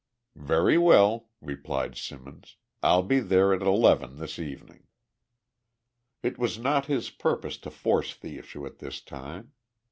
"Very well," replied Simmons, "I'll be there at eleven this evening." It was not his purpose to force the issue at this time.